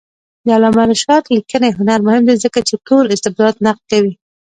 د علامه رشاد لیکنی هنر مهم دی ځکه چې تور استبداد نقد کوي.